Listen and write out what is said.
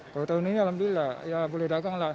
kalau tahun ini alhamdulillah ya boleh dagang lah